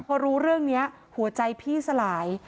พอรู้เรื่องนี้หัวใจพี่สลาย